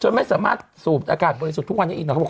จะไม่สามารถสูบอากาศพิวสุทธิ์ทุกวันอีกเลย